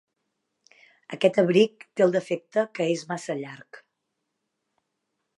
Aquest abric té el defecte que és massa llarg.